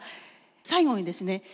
最後にですね